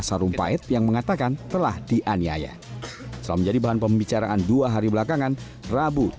sarumpait yang mengatakan telah dianiaya selama menjadi bahan pembicaraan dua hari belakangan rabu